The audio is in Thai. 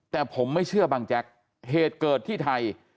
แต่ผมไม่เชื่อบังแจ๊กเหตุเกิดที่ไทย